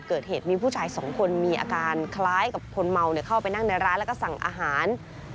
เกิดเหตุมีผู้ชายสองคนมีอาการคล้ายกับคนเมาเข้าไปนั่งในร้านแล้วก็สั่งอาหาร